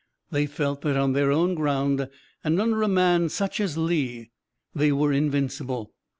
They felt that on their own ground, and under such a man as Lee, they were invincible.